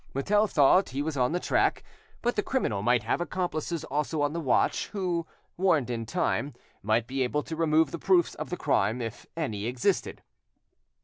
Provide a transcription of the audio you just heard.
Mutel thought he was on the track, but the criminal might have accomplices also on the watch, who, warned in time, might be able to remove the proofs of the crime, if any existed.